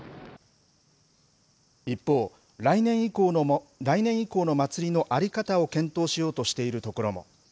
一方、来年以降の祭りの在り方を検討しようとしているところも。